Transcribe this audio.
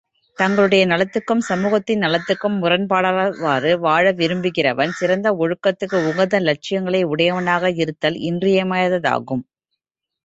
தங்களுடைய நலத்துக்கும் சமூகத்தின் நலத்துக்கும் முரண்படாதவாறு வாழ விரும்புகிறவன் சிறந்த ஒழுக்கத்துக்கு உகந்த லட்சியங்களை உடையவனாக இருத்தல் இன்றியமையாததாகும்.